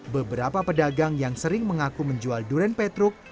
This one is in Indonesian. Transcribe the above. beberapa pedagang yang sering mengaku menjual durian petruk